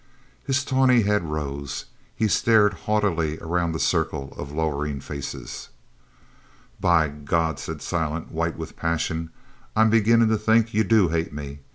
His tawny head rose. He stared haughtily around the circle of lowering faces. "By God," said Silent, white with passion, "I'm beginnin' to think you do hate me!